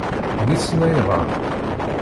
Wissen ayɣeṛ.